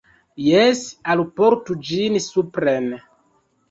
Jes, alportu ĝin supren.